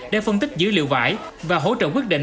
để phân tích dữ liệu vải và hỗ trợ quyết định